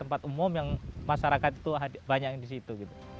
tempat umum yang masyarakat itu banyak yang di situ